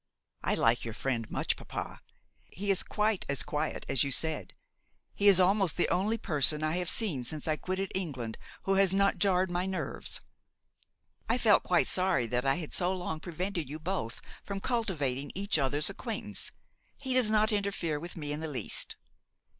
'I like your friend much, papa. He is quite as quiet as you said; he is almost the only person I have seen since I quitted England who has not jarred my nerves. I felt quite sorry that I had so long prevented you both from cultivating each other's acquaintance. He does not interfere with me in the least.